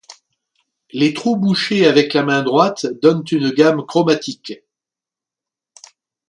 Les trous bouchés avec la main droite donnent une gamme chromatique.